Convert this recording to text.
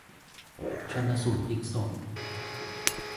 ชันสูตรพลิกศพ